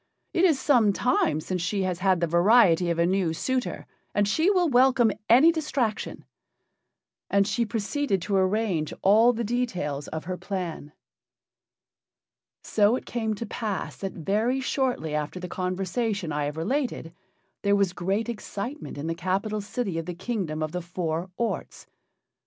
It is some time since she has had the variety of a new suitor, and she will welcome any distraction." And she proceeded to arrange all the details of her plan. So it came to pass that very shortly after the conversation I have related there was great excitement in the capital city of the Kingdom of the Four Orts.